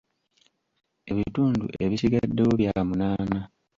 Ebitundu ebisigaddewo bya munaana!